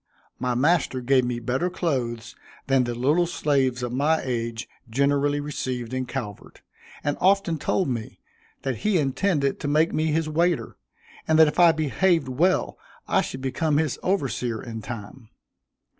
My master gave me better clothes than the little slaves of my age generally received in Calvert, and often told me that he intended to make me his waiter, and that if I behaved well I should become his overseer in time.